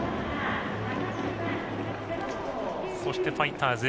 そしてファイターズ